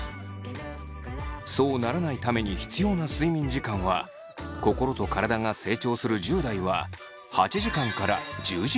そうならないために必要な睡眠時間は心と体が成長する１０代は８時間から１０時間ほど。